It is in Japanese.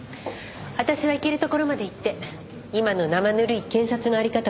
私はいけるところまでいって今の生ぬるい検察の在り方を変えるつもり。